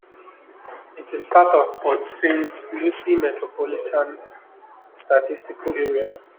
It is part of the Port Saint Lucie Metropolitan Statistical Area.